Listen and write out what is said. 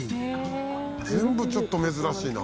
全部ちょっと珍しいな。